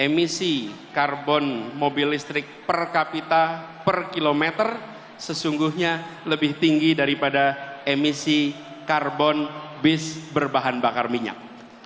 emisi karbon mobil listrik per kapita per kilometer sesungguhnya lebih tinggi daripada emisi karbon bis berbahan bakar minyak